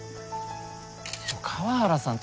ちょっと河原さん